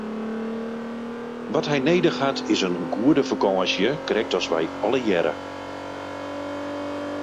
Wat hy nedich hat is in goede fakânsje, krekt as wy allegearre!